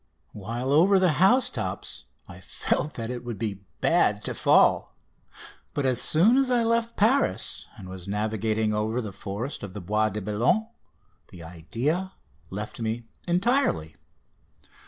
While over the house tops I felt that it would be bad to fall, but as soon as I left Paris and was navigating over the forest of the Bois de Boulogne the idea left me entirely.